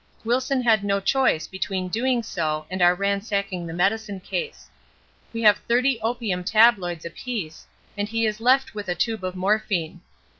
Wilson had no choice between doing so and our ransacking the medicine case. We have 30 opium tabloids apiece and he is left with a tube of morphine.